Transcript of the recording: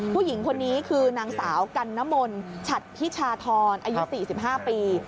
ผู้หญิงคนนี้คือนางสาวกันนมลฉัดพิชาธรอายุ๔๕ปี